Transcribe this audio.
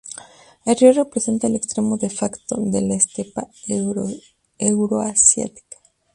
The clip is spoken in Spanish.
El río representa el extremo "de facto" de la estepa euroasiática.